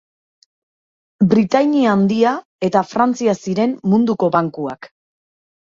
Britainia Handia eta Frantzia ziren munduko bankuak.